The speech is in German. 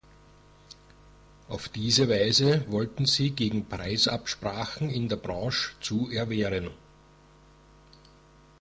Auf diese Weise wollten sie gegen Preisabsprachen in der Branche zu erwehren.